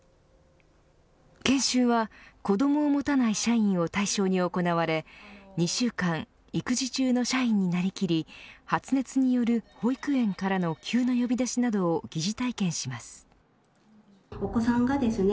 研修は子どもを持たない社員を対象に行われ２週間、育児中の社員になりきり発熱による保育園からの急な呼び出しなどを疑似体験します。